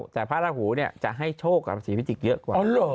แต่พระราหูจะให้โชคกับราศีพิจิกษ์เยอะกว่า